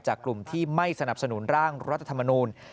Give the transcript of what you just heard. กลุ่มที่ไม่สนับสนุนร่างรัฐธรรมนูล